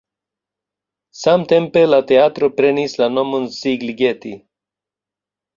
Samtempe la teatro prenis la nomon Szigligeti.